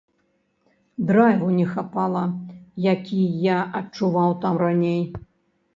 Драйву не хапала, які я адчуваў там раней.